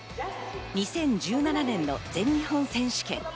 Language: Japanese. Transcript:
２０１７年の全日本選手権。